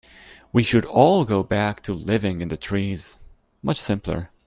We should all go back to living in the trees, much simpler.